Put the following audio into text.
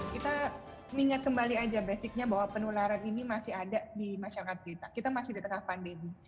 kita mengingat kembali aja basicnya bahwa penularan ini masih ada di masyarakat kita kita masih di tengah pandemi